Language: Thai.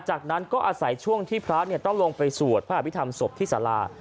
จากนั้นก็อาศัยช่วงที่พระต้องลงไปสวดพระอภิษฐรรมศพที่สารา